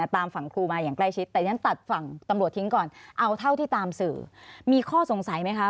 ต่ำโหลตทิ้งก่อน่าที่ตามสื่อมีข้อสงสัยไหมคะ